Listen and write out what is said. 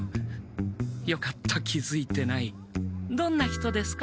よかった気づいてないどんな人ですか？